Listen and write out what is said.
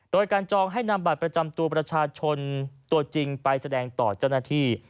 โดยการจองให้นำบัตรประจำตัวประชาชนตัวจริงไปแสดงต่อเจ้าหน้าที่